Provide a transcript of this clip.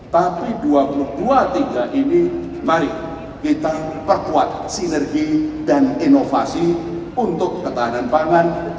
tapi dua ribu dua puluh tiga ini mari kita perkuat sinergi dan inovasi untuk ketahanan pangan